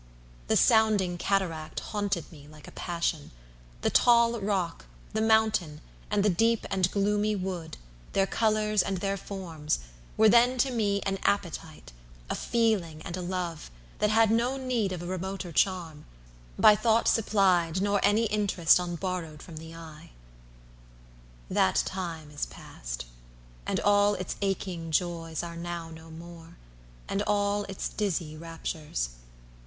The sounding cataract Haunted me like a passion: the tall rock, The mountain, and the deep and gloomy wood, Their colours and their forms, were then to me An appetite; a feeling and a love, 80 That had no need of a remoter charm, By thought supplied, nor any interest Unborrowed from the eye.–That time is past, And all its aching joys are now no more, And all its dizzy raptures.